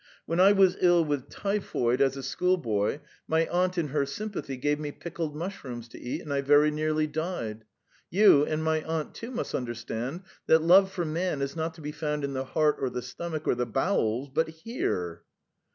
When I was ill with typhoid as a schoolboy, my aunt in her sympathy gave me pickled mushrooms to eat, and I very nearly died. You, and my aunt too, must understand that love for man is not to be found in the heart or the stomach or the bowels, but here!"